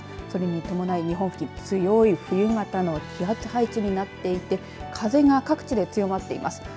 それに伴い、日本付近強い冬型の気圧配置なっていて風が各地まで強まっています。